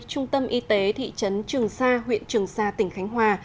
trung tâm y tế thị trấn trường sa huyện trường sa tỉnh khánh hòa